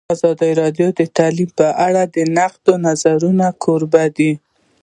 ازادي راډیو د تعلیم په اړه د نقدي نظرونو کوربه وه.